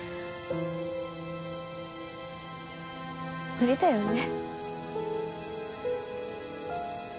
無理だよね。